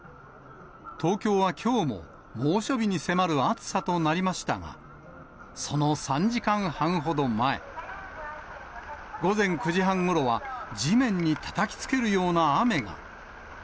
東京はきょうも猛暑日に迫る暑さとなりましたが、その３時間半ほど前、午前９時半ごろは地面にたたきつけるような雨が。